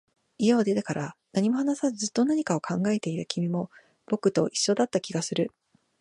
家を出てから、何も話さず、ずっと何かを考えていた君も、僕と一緒だった気がする